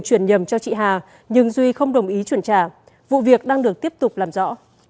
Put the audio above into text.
chuyển nhầm cho chị hà nhưng duy không đồng ý chuyển trả vụ việc đang được tiếp tục làm rõ